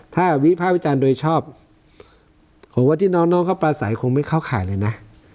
ถ้าวิภาควิจารณ์โดยชอบผมว่าที่น้องน้องเขาปลาใสคงไม่เข้าข่ายเลยนะ